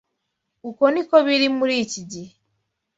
Uko ni ko biri no muri iki gihe